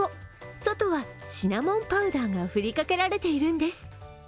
外はシナモンパウダーが振りかけられているんです。